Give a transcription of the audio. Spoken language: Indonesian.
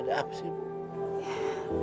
ada apa sih bu